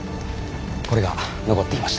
これが残っていました。